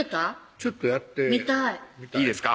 ちょっとやって見たいいいですか？